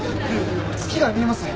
月が見えますね。